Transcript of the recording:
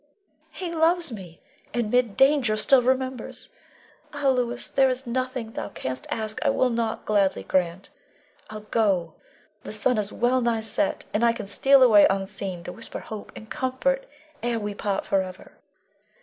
He loves me, and mid danger still remembers. Ah, Louis, there is nothing thou canst ask I will not gladly grant. I'll go; the sun is well nigh set, and I can steal away unseen to whisper hope and comfort ere we part forever.